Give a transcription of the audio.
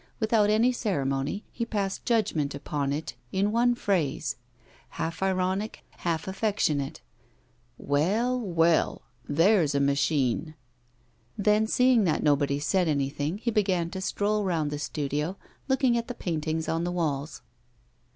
Without any ceremony, he passed judgment upon it in one phrase half ironic, half affectionate: 'Well, well, there's a machine.' Then, seeing that nobody said anything, he began to stroll round the studio, looking at the paintings on the walls.